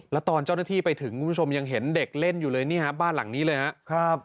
แล้วตอนเจ้าหน้าที่ไปถึงคุณผู้ชมยังเห็นเด็กเล่นอยู่เลยนี่ครับ